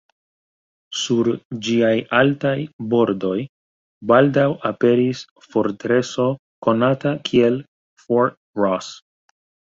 Sur ĝiaj altaj bordoj baldaŭ aperis fortreso konata kiel Fort Ross.